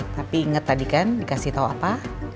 tapi inget tadi kan dikasih tau apa